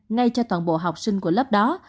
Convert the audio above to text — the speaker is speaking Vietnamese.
ngay cho toàn bộ học sinh của lớp đó